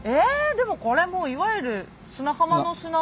⁉でもこれもういわゆる砂浜の砂。